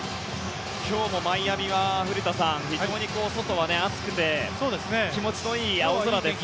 今日もマイアミは非常に外は暑くて気持ちのいい青空ですね。